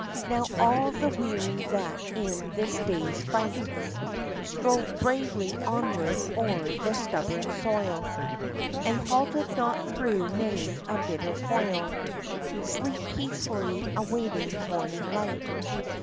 Now all the weary that in this day's fight Strove bravely onward o'er the stubborn soil, And halted not through many a bitter foil. Sleep peacefully awaiting morning light.